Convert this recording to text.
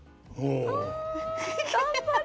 あ頑張れ。